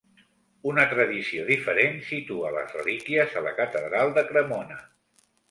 Una tradició diferent situa les relíquies a la Catedral de Cremona.